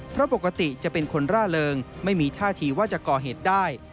เพราะปกติจะเป็นคนร่าเริงไม่มีท่าทีว่าจะก่อเหตุได้